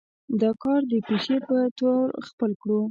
دا کار د پيشې پۀ طور خپل کړو